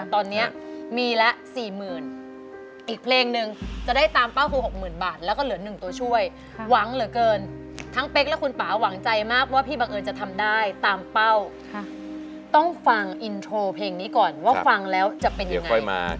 ตอนนี้มีละ๔๐๐๐อีกเพลงหนึ่งจะได้ตามเป้าคือ๖๐๐๐บาทแล้วก็เหลือ๑ตัวช่วยหวังเหลือเกินทั้งเป๊กและคุณป่าหวังใจมากว่าพี่บังเอิญจะทำได้ตามเป้าต้องฟังอินโทรเพลงนี้ก่อนว่าฟังแล้วจะเป็นยังไง